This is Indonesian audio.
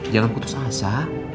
jangan kutus asa